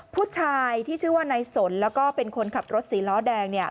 ผู้ชายที่ชื่อว่านายสนแล้วก็เป็นคนขับรถสีล้อแดง